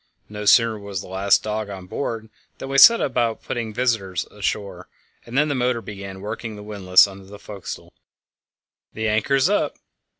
No sooner was the last dog on board than we set about putting all visitors ashore, and then the motor began working the windlass under the forecastle. "The anchor's up!"